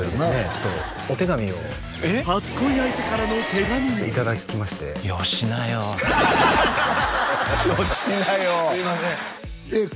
ちょっとお手紙を初恋相手からの手紙によしなよよしなよすいませんえっ